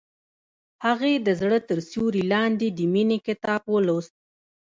هغې د زړه تر سیوري لاندې د مینې کتاب ولوست.